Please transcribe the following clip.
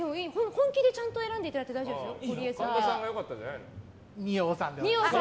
本気でちゃんと選んでいただいて大丈夫ですよ。